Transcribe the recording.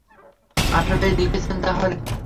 আসলেই লিখছেন তাহলে!